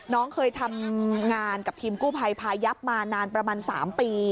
น้องเคยทำงานกับทีมกู้ภัยพายับมานานประมาณ๓ปี